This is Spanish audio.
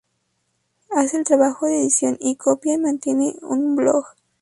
Hace el trabajo de edición y copia, y mantiene un blog.